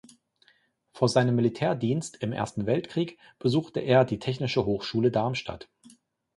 Vor seinem Militärdienst im Ersten Weltkrieg besuchte er die Technische Hochschule Darmstadt.